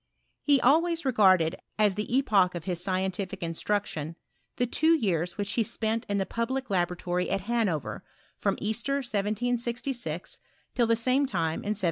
He always regarded as the epoch of his scientific instruction, the two years which he spent in tlie public laboratory at Hanover, from Easter 1766, till the same time in 1768.